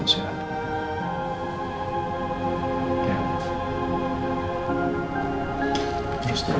insya allah reina sehat